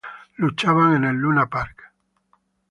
Luchaban en el Luna Park.